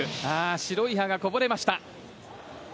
白い歯がこぼれました。